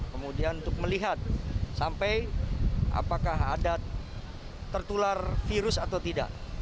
kemudian untuk melihat sampai apakah ada tertular virus atau tidak